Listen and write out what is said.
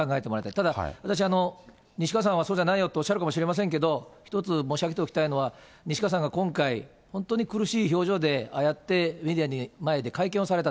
ただ、私、西川さんはそうじゃないよとおっしゃるかもしれませんけれども、一つ申し上げておきたいのは、西川さんが今回、本当に苦しい表情で、ああやってメディアの前で会見をされた。